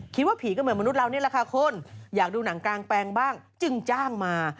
คิดว่าผีก็เหมือนมนุษย์เรานี่แหละค่ะคุณอยากดูหนังกลางแปลงบ้างจึงจ้างมา